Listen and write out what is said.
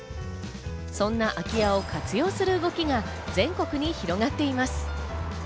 そんな空き家を活用する動きが全国に広がっています。